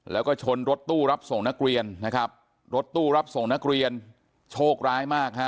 แล้วก็ชนรถตู้รับส่งนักเรียนนะครับรถตู้รับส่งนักเรียนโชคร้ายมากฮะ